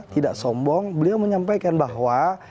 tidak sombong beliau menyampaikan bahwa